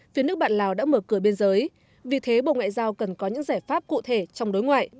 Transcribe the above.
phía nước bạn lào đã mở cửa biên giới vì thế bộ ngoại giao cần có những giải pháp cụ thể trong đối ngoại